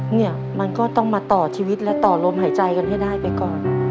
เนี่ยมันก็ต้องมาต่อชีวิตและต่อลมหายใจกันให้ได้ไปก่อน